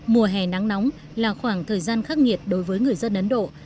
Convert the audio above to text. mùa hè nắng nóng là khoảng thời gian khắc nghiệt đối với người dân ấn độ